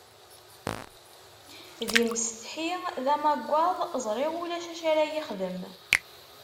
D imsetḥi, d amaggad, ẓriɣ ulac acu ara yi-ixdem.